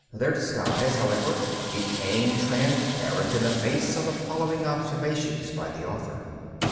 Their disguise, however, became transparent in the face of the following observations by the author.